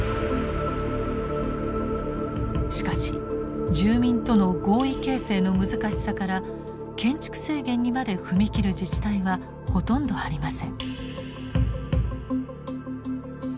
しかし住民との合意形成の難しさから建築制限にまで踏み切る自治体はほとんどありません。